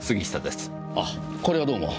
あこれはどうも。